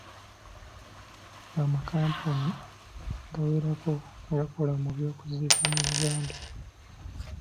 Amakampuni gawerako agakola ku by'okuziika mu Uganda.